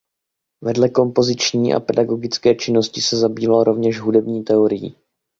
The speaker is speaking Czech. Vedle kompoziční a pedagogické činnosti se zabýval rovněž hudební teorií.